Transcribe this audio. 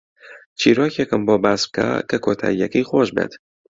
چیرۆکێکم بۆ باس بکە کە کۆتایییەکەی خۆش بێت.